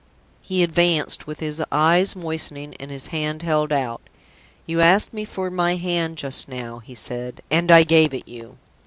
He advanced, with his eyes moistening, and his hand held out. "You asked me for my hand just now," he said, "and I gave it you.